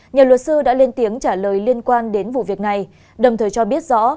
nhiều luật sư đã lên tiếng trả lời liên quan đến vụ việc này đồng thời cho biết rõ